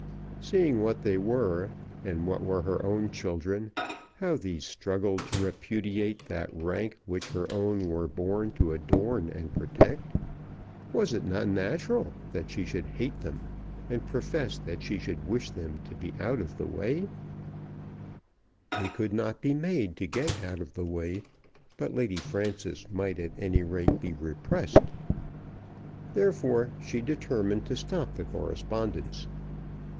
Seeing what they were, and what were her own children, how these struggled to repudiate that rank which her own were born to adorn and protect, was it not natural that she should hate them, and profess that she should wish them to be out of the way? They could not be made to get out of the way, but Lady Frances might at any rate be repressed. Therefore she determined to stop the correspondence.